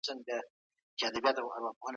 غوړ ورو او ثابت سوځي.